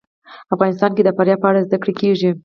افغانستان کې د فاریاب په اړه زده کړه کېږي.